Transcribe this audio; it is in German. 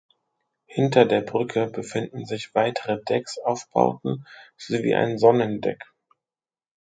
Hinter der Brücke befinden sich weitere Decksaufbauten sowie ein Sonnendeck.